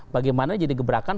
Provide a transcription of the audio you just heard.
bagaimana jadi gebrakan